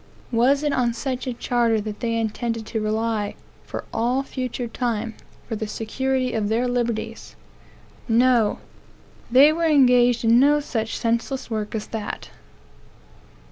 Was it on such a charter that they intended to rely, for all future time, for the security of their liberties? No. They were engaged in no such senseless work as that.